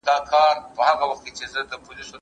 موږ اوس هم په ټولنيزو مسايلو بحث کوو.